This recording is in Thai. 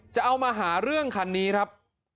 จะเอามาหาเรื่องคันนี้ครับ